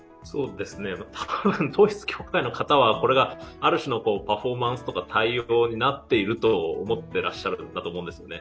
統一教会の方は、これがある種のパフォーマンスとか対応になっていると思ってらっしゃるんだと思うんですね。